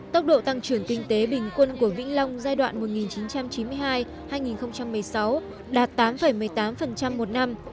tốc độ tăng trưởng kinh tế bình quân của vĩnh long giai đoạn một nghìn chín trăm chín mươi hai hai nghìn một mươi sáu đạt tám một mươi tám một năm